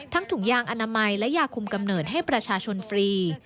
ถุงยางอนามัยและยาคุมกำเนิดให้ประชาชนฟรี